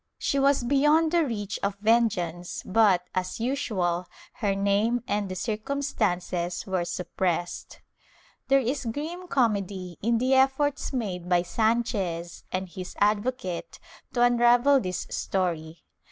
She was beyond the reach of vengeance but, as usual, her name and the circumstances were suppressed. There is grim comedy in the efforts made by Sdnchez and his advocate to unravel this VOL. m 5 66 THE TRIAL [Book VI story.